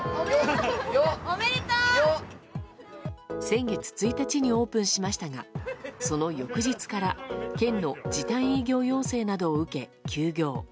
先月１日にオープンしましたがその翌日から県の時短営業要請などを受け休業。